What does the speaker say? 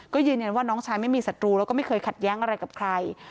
ก็ยืนยันว่าน้องชายไม่มีศัตรูแล้วก็ไม่เคยขัดแย้งอะไรกับใคร